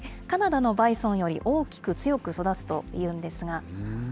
カナダのバイソンより大きく強く育つというんですが。